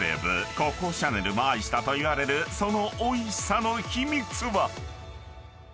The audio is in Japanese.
シャネルも愛したといわれるそのおいしさの秘密は？］